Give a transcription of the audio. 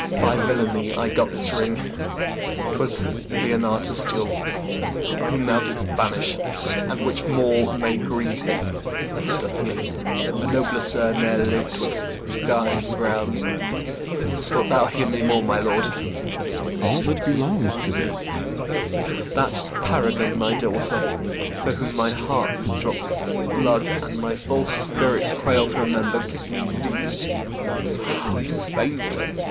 By villainy I got this ring; 'twas Leonatus' jewel, Whom thou didst banish; and which more may grieve thee, As it doth me a nobler sir ne'er liv'd 'Twixt sky and ground. Wilt thou hear more, my lord? CYMBELINE. All that belongs to this. IACHIMO. That paragon, thy daughter, For whom my heart drops blood and my false spirits Quail to remember Give me leave, I faint.